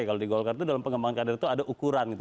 kalau di golkar itu dalam pengembangan kader itu ada ukuran gitu